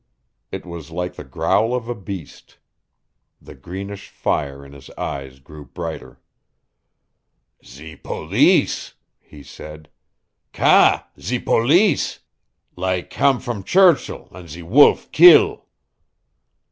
It was like the growl of a beast. The greenish fire in his eyes grew brighter. "Ze poleece," he said. "KA, ze poleece like kam from Churchill an' ze wolve keel!"